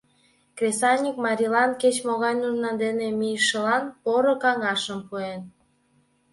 Кресаньык марийлан, кеч-могай нужна дене мийышылан, поро каҥашым пуэн.